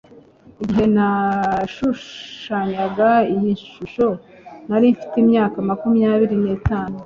Igihe nashushanyaga iyi shusho nari mfite imyaka makumyabiri nitatu